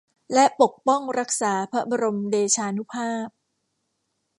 และปกป้องรักษาพระบรมเดชานุภาพ